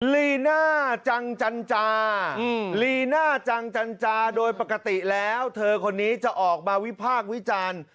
ลีน่าจังจันจาลีน่าจังจันจาโดยปกติแล้วเธอคนนี้จะออกมาวิพากษ์วิจารณ์